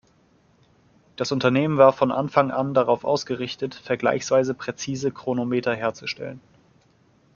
Das Unternehmen war von Anfang an darauf ausgerichtet, vergleichsweise präzise Chronometer herzustellen.